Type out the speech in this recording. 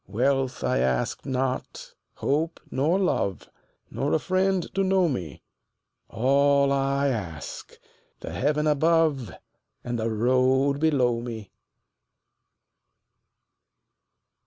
Wealth I ask not, hope nor love, Nor a friend to know me; All I ask, the heaven above And the road below me.